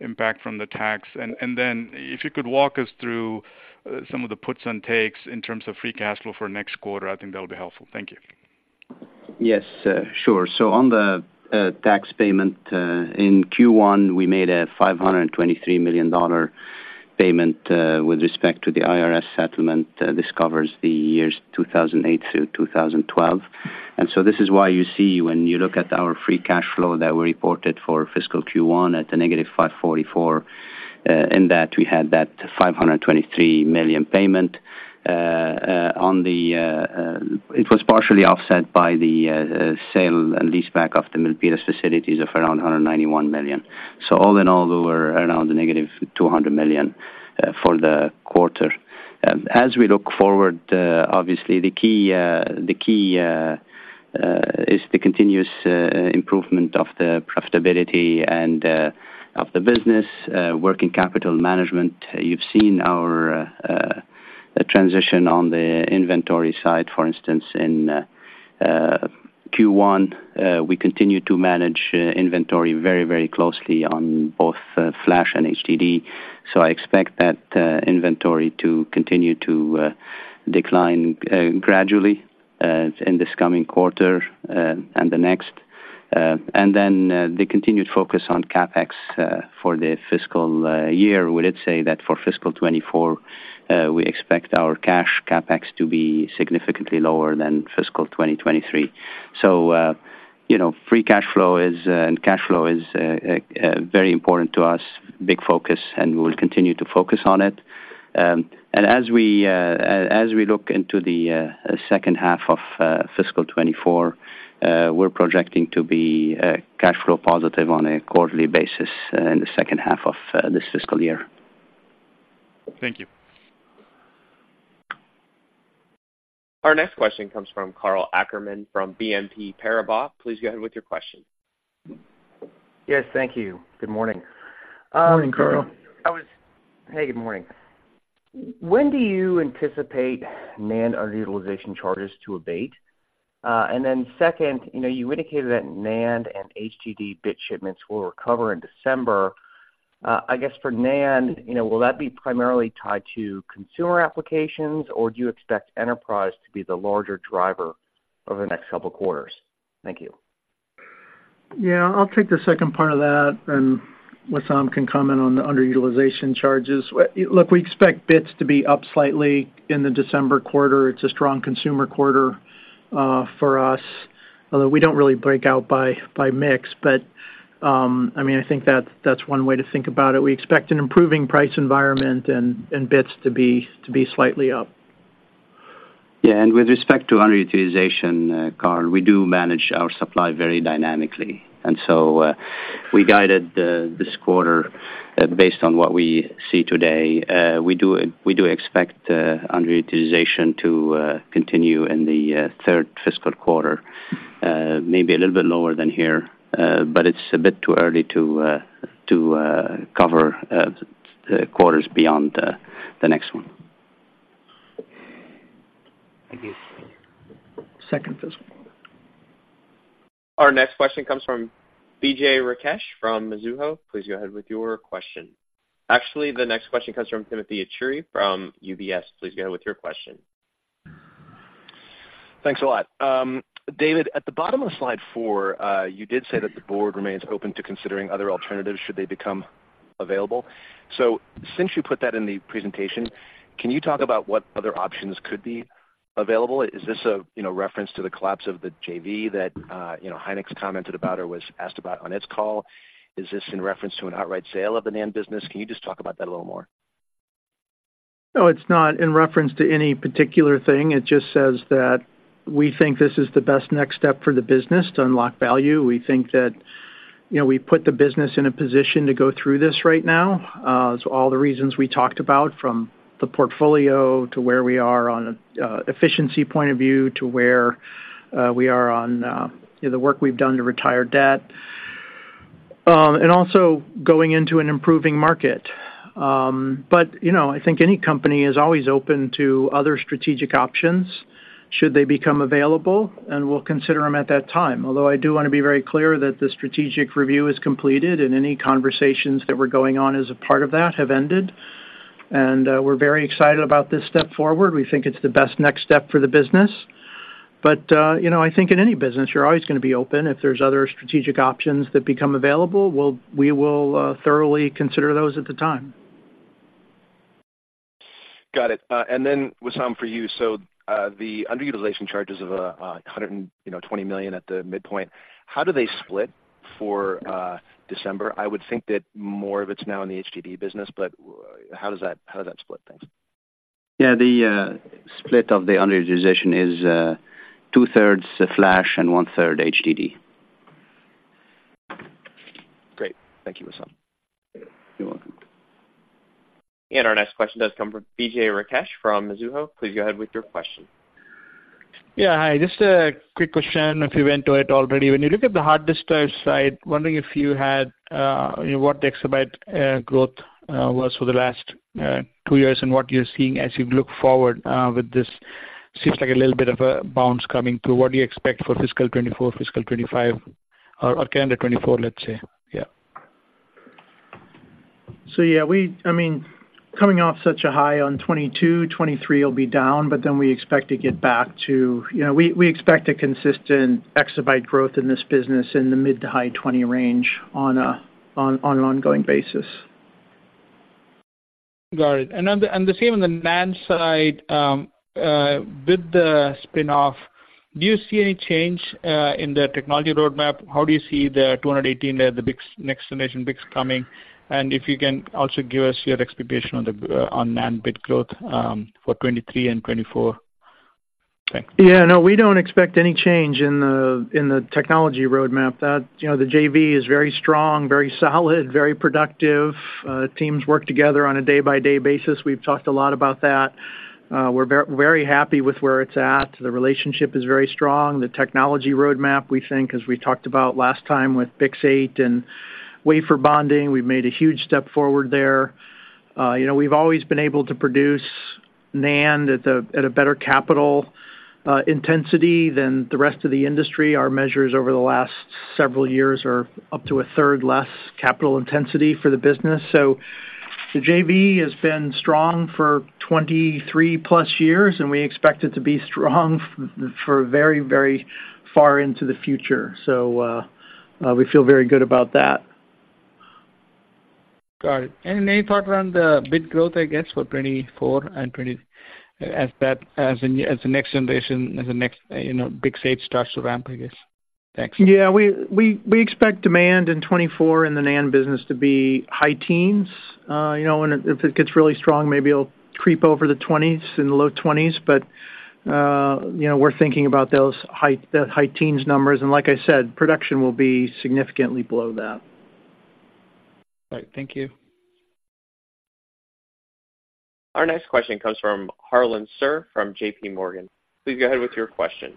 impact from the tax. And then if you could walk us through some of the puts and takes in terms of free cash flow for next quarter, I think that would be helpful. Thank you. Yes, sure. On the tax payment in Q1, we made a $523 million payment with respect to the IRS settlement. This covers the years 2008 through 2012. This is why you see, when you look at our free cash flow that we reported for fiscal Q1 at a negative $544 million, in that, we had that $523 million payment. It was partially offset by the sale and lease back of the Milpitas facilities of around $191 million. All in all, we were around negative $200 million for the quarter. As we look forward, obviously, the key is the continuous improvement of the profitability and of the business, working capital management. You've seen our transition on the inventory side. For instance, in Q1, we continued to manage inventory very, very closely on both flash and HDD. So I expect that inventory to continue to decline gradually in this coming quarter and the next. And then, the continued focus on CapEx for the fiscal year, we did say that for fiscal 2024, we expect our cash CapEx to be significantly lower than fiscal 2023. So, you know, free cash flow is and cash flow is very important to us, big focus, and we will continue to focus on it. And as we look into the second half of fiscal 2024, we're projecting to be cash flow positive on a quarterly basis in the second half of this fiscal year. Thank you. Our next question comes from Karl Ackerman from BNP Paribas. Please go ahead with your question. Yes, thank you. Good morning. Morning, Karl. Hey, good morning. When do you anticipate NAND underutilization charges to abate? And then second, you know, you indicated that NAND and HDD bit shipments will recover in December. I guess for NAND, you know, will that be primarily tied to consumer applications, or do you expect enterprise to be the larger driver over the next couple quarters? Thank you. Yeah, I'll take the second part of that, and Wissam can comment on the underutilization charges. Look, we expect bits to be up slightly in the December quarter. It's a strong consumer quarter for us, although we don't really break out by mix. But, I mean, I think that's one way to think about it. We expect an improving price environment and bits to be slightly up. Yeah, and with respect to underutilization, Karl, we do manage our supply very dynamically, and so, we guided this quarter based on what we see today. We do expect underutilization to continue in the third fiscal quarter, maybe a little bit lower than here, but it's a bit too early to cover the quarters beyond the next one. Thank you. Second fiscal quarter. Our next question comes from Vijay Rakesh from Mizuho. Please go ahead with your question. Actually, the next question comes from Timothy Arcuri from UBS. Please go ahead with your question. Thanks a lot. David, at the bottom of slide four, you did say that the board remains open to considering other alternatives should they become available. So since you put that in the presentation, can you talk about what other options could be available? Is this a, you know, reference to the collapse of the JV that, you know, Hynix commented about or was asked about on its call? Is this in reference to an outright sale of the NAND business? Can you just talk about that a little more? No, it's not in reference to any particular thing. It just says that we think this is the best next step for the business to unlock value. We think that, you know, we put the business in a position to go through this right now. So all the reasons we talked about, from the portfolio to where we are on a efficiency point of view to where we are on, you know, the work we've done to retire debt, and also going into an improving market. But, you know, I think any company is always open to other strategic options should they become available, and we'll consider them at that time. Although I do want to be very clear that the strategic review is completed and any conversations that were going on as a part of that have ended, and we're very excited about this step forward. We think it's the best next step for the business, but you know, I think in any business, you're always going to be open. If there's other strategic options that become available, we will thoroughly consider those at the time. Got it. Then, Wissam, for you. So, the underutilization charges of $120 million at the midpoint, how do they split for December? I would think that more of it's now in the HDD business, but how does that, how does that split? Thanks. Yeah, the split of the underutilization is 2/3 the flash and 1/3 HDD. Great. Thank you, Wissam. You're welcome. Our next question does come from Vijay Rakesh from Mizuho. Please go ahead with your question. Yeah, hi, just a quick question, if you went to it already. When you look at the hard disk drive side, wondering if you had what the exabyte growth was for the last two years and what you're seeing as you look forward with this? Seems like a little bit of a bounce coming through. What do you expect for fiscal 2024, fiscal 2025, or calendar 2024, let's say? Yeah. So, yeah, I mean, coming off such a high on 2022, 2023 will be down, but then we expect to get back to, you know, we expect a consistent exabyte growth in this business in the mid- to high-20 range on an ongoing basis. Got it. And on the, and the same on the NAND side, with the spin-off, do you see any change in the technology roadmap? How do you see the 218, the BiCS, next generation BiCS coming? And if you can also give us your expectation on the, on NAND bit growth, for 2023 and 2024. Thanks. Yeah. No, we don't expect any change in the technology roadmap. That, you know, the JV is very strong, very solid, very productive. Teams work together on a day-by-day basis. We've talked a lot about that. We're very happy with where it's at. The relationship is very strong. The technology roadmap, we think, as we talked about last time with BiCS8 and wafer bonding, we've made a huge step forward there. You know, we've always been able to produce NAND at a better capital intensity than the rest of the industry. Our measures over the last several years are up to a third less capital intensity for the business. So the JV has been strong for 23+ years, and we expect it to be strong for very, very far into the future. We feel very good about that. Got it. Any thought around the bit growth, I guess, for 2024 and 2025... As the next generation, you know, BiCS8 starts to ramp, I guess. Thanks. Yeah, we expect demand in 2024 in the NAND business to be high teens. You know, and if it gets really strong, maybe it'll creep over the twenties and low twenties. But, you know, we're thinking about those high teens numbers, and like I said, production will be significantly below that. All right. Thank you. Our next question comes from Harlan Sur from JP Morgan. Please go ahead with your question.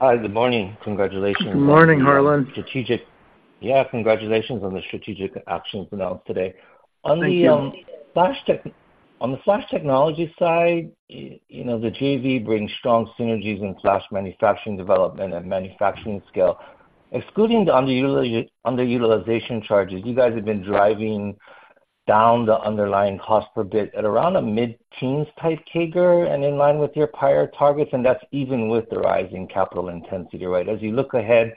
Hi, good morning. Congratulations. Good morning, Harlan. Yeah, congratulations on the strategic actions announced today. Thank you. On the flash tech, on the flash technology side, you know, the JV brings strong synergies in flash manufacturing development and manufacturing scale. Excluding the underutilization charges, you guys have been driving down the underlying cost per bit at around a mid-teens type CAGR and in line with your prior targets, and that's even with the rising capital intensity, right? As you look ahead,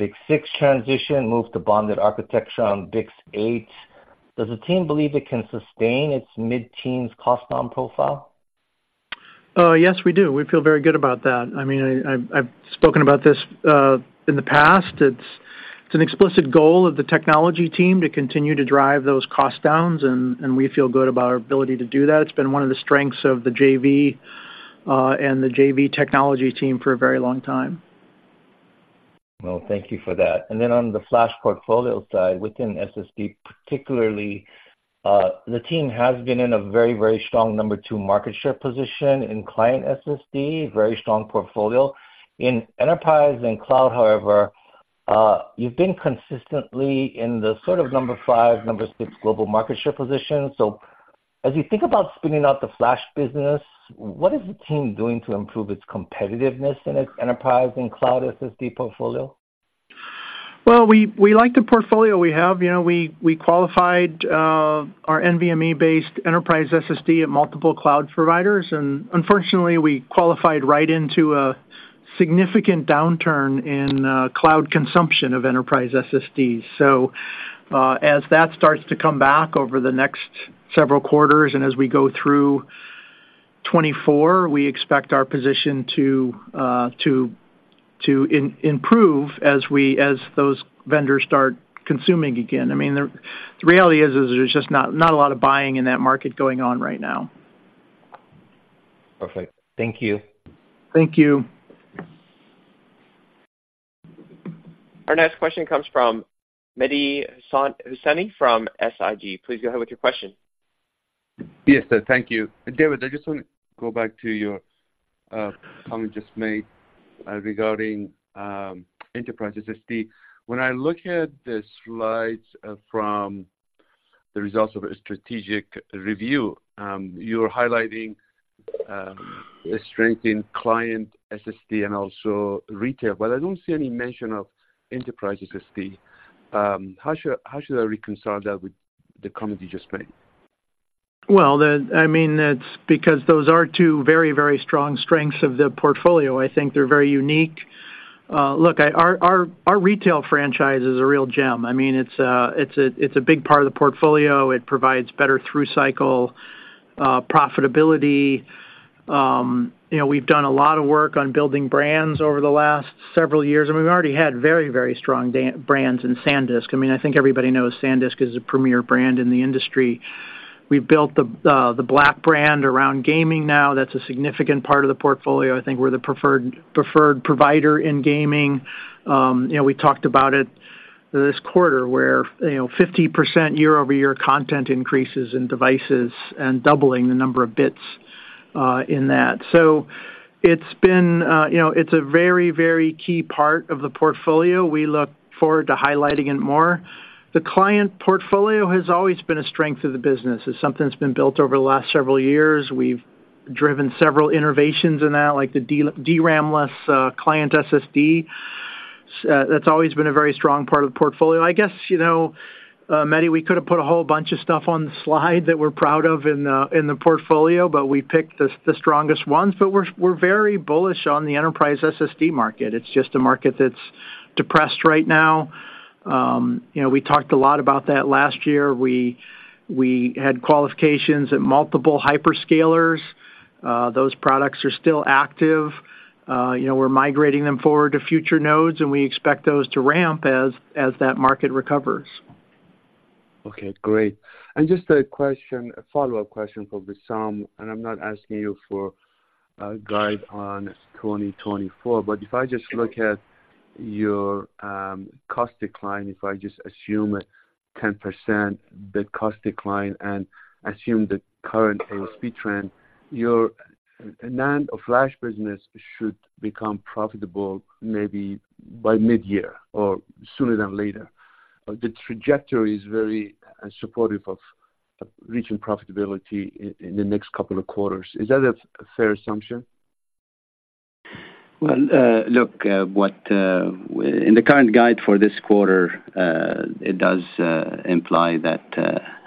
BiCS6 transition, move to bonded architecture on BiCS8. Does the team believe it can sustain its mid-teens cost-down profile? Yes, we do. We feel very good about that. I mean, I've spoken about this in the past. It's an explicit goal of the technology team to continue to drive those cost downs, and we feel good about our ability to do that. It's been one of the strengths of the JV, and the JV technology team for a very long time. Well, thank you for that. Then on the flash portfolio side, within SSD particularly, the team has been in a very, very strong number two market share position in client SSD, very strong portfolio. In enterprise and cloud, however, you've been consistently in the sort of number five, number six global market share position. So as you think about spinning out the flash business, what is the team doing to improve its competitiveness in its enterprise and cloud SSD portfolio? Well, we like the portfolio we have. You know, we qualified our NVMe-based enterprise SSD at multiple cloud providers, and unfortunately, we qualified right into a significant downturn in cloud consumption of enterprise SSD. So, as that starts to come back over the next several quarters, and as we go through 2024, we expect our position to improve as we as those vendors start consuming again. I mean, the reality is there's just not a lot of buying in that market going on right now. Perfect. Thank you. Thank you. Our next question comes from Mehdi Hosseini from SIG. Please go ahead with your question. Yes, sir. Thank you. David, I just want to go back to your comment you just made regarding enterprise SSD. When I look at the slides from the results of a strategic review, you're highlighting the strength in client SSD and also retail, but I don't see any mention of enterprise SSD. How should I reconcile that with the comment you just made? Well, I mean, it's because those are two very, very strong strengths of the portfolio. I think they're very unique. Look, our retail franchise is a real gem. I mean, it's a big part of the portfolio. It provides better through-cycle profitability. You know, we've done a lot of work on building brands over the last several years, and we've already had very, very strong brands in SanDisk. I mean, I think everybody knows SanDisk is a premier brand in the industry. We've built the Black brand around gaming now. That's a significant part of the portfolio. I think we're the preferred provider in gaming. You know, we talked about it this quarter, where, you know, 50% year-over-year content increases in devices and doubling the number of bits in that. So it's been, you know, it's a very, very key part of the portfolio. We look forward to highlighting it more. The client portfolio has always been a strength of the business. It's something that's been built over the last several years. We've driven several innovations in that, like the DRAM-less client SSD. That's always been a very strong part of the portfolio. I guess, you know, Mehdi, we could have put a whole bunch of stuff on the slide that we're proud of in, in the portfolio, but we picked the, the strongest ones. But we're, we're very bullish on the enterprise SSD market. It's just a market that's depressed right now. You know, we talked a lot about that last year. We, we had qualifications at multiple hyperscalers. Those products are still active. You know, we're migrating them forward to future nodes, and we expect those to ramp as that market recovers. Okay, great. And just a question, a follow-up question for Wissam, and I'm not asking you for a guide on 2024, but if I just look at your cost decline, if I just assume a 10% cost decline, and assume the current ASP trend, your NAND or flash business should become profitable maybe by midyear or sooner than later. The trajectory is very supportive of reaching profitability in the next couple of quarters. Is that a fair assumption? Well, look, in the current guide for this quarter, it does imply that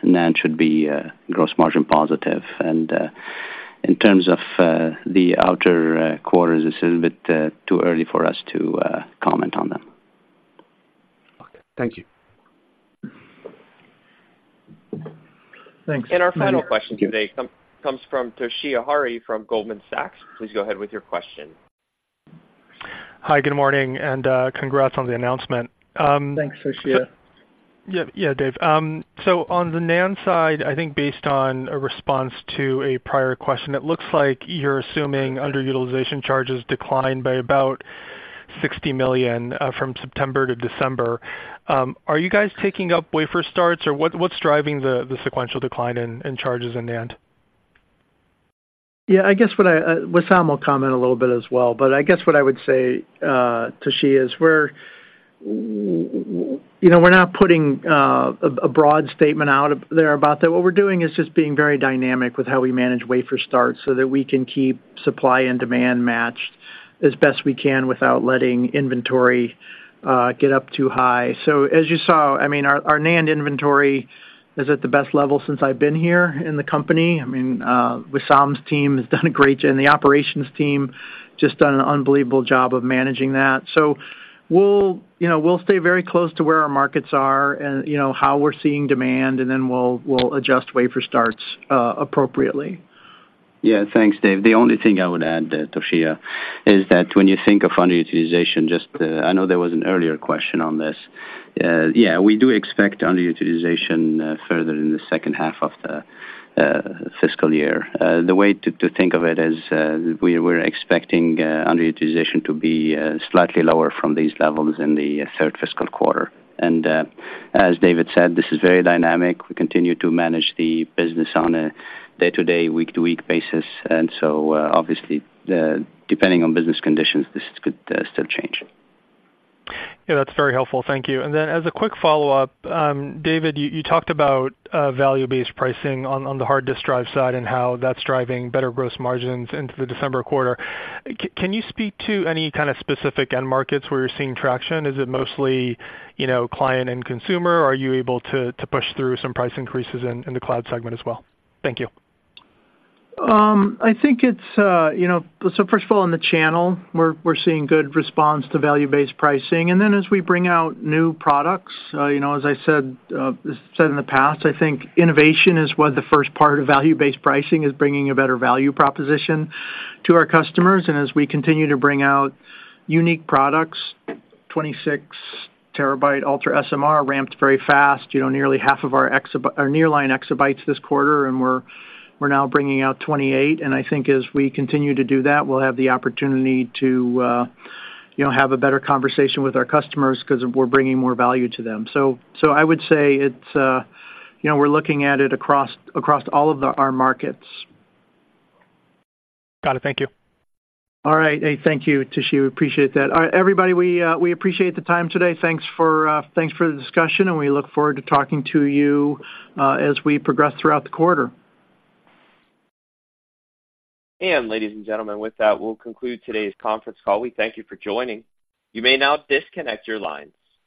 NAND should be gross margin positive. In terms of the outer quarters, it's a little bit too early for us to comment on them. Okay. Thank you. Thanks. Our final question today comes from Toshiya Hari from Goldman Sachs. Please go ahead with your question. Hi, good morning, and congrats on the announcement. Thanks, Toshiya. Yeah. Yeah, Dave. So on the NAND side, I think based on a response to a prior question, it looks like you're assuming underutilization charges declined by about $60 million from September to December. Are you guys taking up wafer starts, or what, what's driving the sequential decline in charges in NAND? Yeah, I guess what I, Wissam will comment a little bit as well, but I guess what I would say, Toshiya, is we're, you know, we're not putting a broad statement out of there about that. What we're doing is just being very dynamic with how we manage wafer starts, so that we can keep supply and demand matched as best we can without letting inventory get up too high. So as you saw, I mean, our NAND inventory is at the best level since I've been here in the company. I mean, Wissam's team has done a great job, and the operations team just done an unbelievable job of managing that. So we'll, you know, we'll stay very close to where our markets are and, you know, how we're seeing demand, and then we'll, we'll adjust wafer starts appropriately. Yeah. Thanks, Dave. The only thing I would add, Toshiya, is that when you think of underutilization, just, I know there was an earlier question on this. Yeah, we do expect underutilization further in the second half of the fiscal year. The way to think of it is, we're expecting underutilization to be slightly lower from these levels in the third fiscal quarter. And, as David said, this is very dynamic. We continue to manage the business on a day-to-day, week-to-week basis, and so, obviously, depending on business conditions, this could still change. Yeah, that's very helpful. Thank you. Then as a quick follow-up, David, you, you talked about value-based pricing on the hard disk drive side and how that's driving better gross margins into the December quarter. Can you speak to any kind of specific end markets where you're seeing traction? Is it mostly, you know, client and consumer, or are you able to push through some price increases in the cloud segment as well? Thank you. I think it's, you know... First of all, in the channel, we're seeing good response to value-based pricing. And then as we bring out new products, you know, as I said, said in the past, I think innovation is what the first part of value-based pricing is, bringing a better value proposition to our customers. As we continue to bring out unique products, 26 TB UltraSMR ramped very fast, you know, nearly half of our exa- our nearline exabytes this quarter, and we're now bringing out 28 TB. I think as we continue to do that, we'll have the opportunity to, you know, have a better conversation with our customers because we're bringing more value to them. I would say it's, you know, we're looking at it across all of our markets. Got it. Thank you. All right. Hey, thank you, Toshiya. We appreciate that. All right, everybody, we appreciate the time today. Thanks for the discussion, and we look forward to talking to you as we progress throughout the quarter. Ladies and gentlemen, with that, we'll conclude today's conference call. We thank you for joining. You may now disconnect your lines.